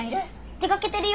出かけてるよ。